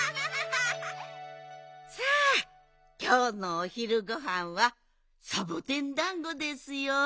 さあきょうのおひるごはんはサボテンだんごですよ。